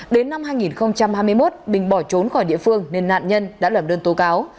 đến năm hai nghìn hai mươi một bình bỏ trốn khỏi địa phương nên nạn nhân đã lẩm đơn tố cáo